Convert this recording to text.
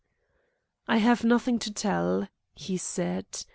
"I have nothing to tell," he said.